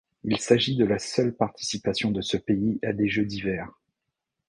Il s'agit de la seule participation de ce pays à des Jeux d'hiver.